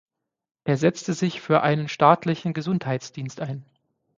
Er setzte sich für einen staatlichen Gesundheitsdienst ein.